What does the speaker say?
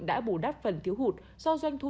đã bù đắp phần thiếu hụt do doanh thu